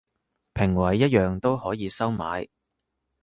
評委一樣都可以收買